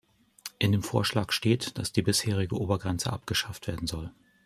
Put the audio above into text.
In dem Vorschlag steht, dass die bisherige Obergrenze abgeschafft werden soll.